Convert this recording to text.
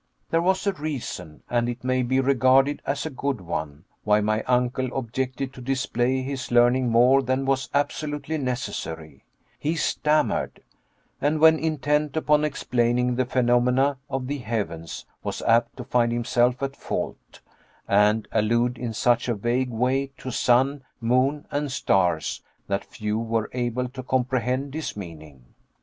There was a reason, and it may be regarded as a good one, why my uncle objected to display his learning more than was absolutely necessary: he stammered; and when intent upon explaining the phenomena of the heavens, was apt to find himself at fault, and allude in such a vague way to sun, moon, and stars that few were able to comprehend his meaning.